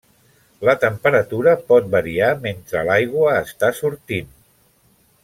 La temperatura pot variar mentre l'aigua està sortint.